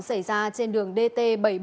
xảy ra trên đường dt bảy trăm bốn mươi